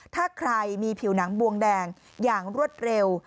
ถ้าใครมีผิวหนังบวงแดงอย่างรวดเร็ว